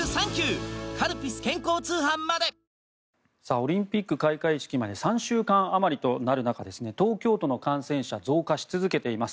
オリンピック開会式まで３週間あまりとなる中東京都の感染者増加し続けています。